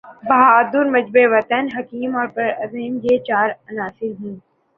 بہادر، محب وطن، حکیم اور پرعزم یہ چار عناصر ہوں۔